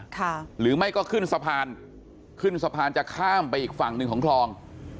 หรือไม่ก็ขึ้นสะพานขึ้นสะพานจะข้ามไปอีกฝั่งหนึ่งของคลอง